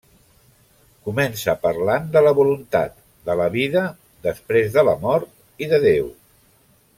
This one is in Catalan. Comença parlant de la voluntat, de la vida després de la mort i de Déu.